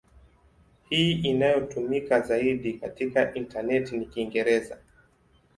Hii inayotumika zaidi katika intaneti ni Kiingereza.